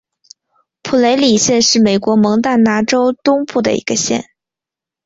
普雷里县是美国蒙大拿州东部的一个县。